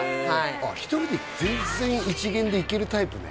ああ１人で全然一見で行けるタイプね？